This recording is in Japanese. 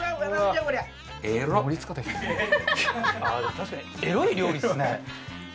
でも確かにエロい料理ですね。